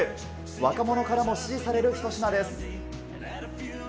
若者からも支持される一品です。